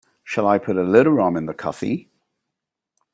Shall I put a little rum in the coffee?